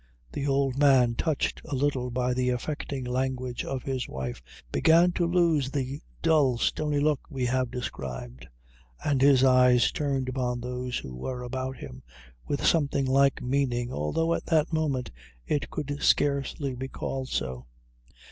The old man, touched a little by the affecting language of his wife, began to lose the dull stony look we have described, and his eyes turned upon those who were about him with something like meaning, although at that moment it could scarcely be called so.